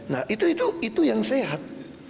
nah itu yang sehat